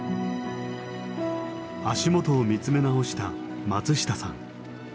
足元を見つめ直した松下さん。